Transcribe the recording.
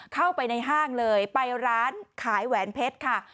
เข้าไปในห้างเลยไปร้านขายแหวนเพชรค่ะ